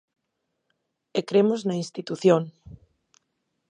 E cremos na institución.